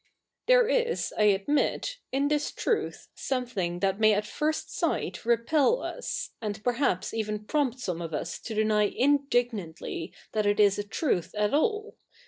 ' Tliere is, I adtnit, in this truth something that may at first sight repel us, a?id perhaps eve?i prompt some of us to dejiy indignantly that it is a truth at all.